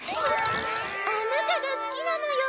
あなたが好きなのよ。